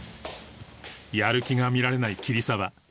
やる気が見られない桐沢